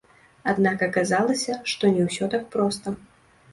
Аднак аказалася, што не ўсё так проста.